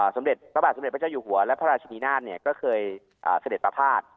สมเด็จพระบาทสมเด็จพระเจ้าอยู่หัวและพระราชนินาศก็เคยเสด็จประพาท